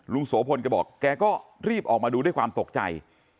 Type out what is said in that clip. ลุงโสพลก็รีบออกมาดูด้วยความตกใจ